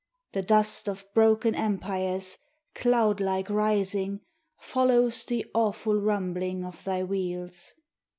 The dust of broken empires, cloud like rising, Follows the awful rumbling of thy wheels.